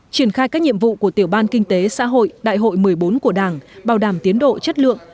triển khai các nhiệm vụ của tiểu ban kinh tế xã hội đại hội một mươi bốn của đảng bảo đảm tiến độ chất lượng